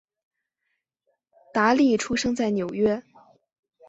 达利出生在纽约。